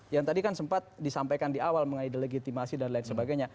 yang tadi kan sempat disampaikan di awal mengenai delegitimasi dan lain sebagainya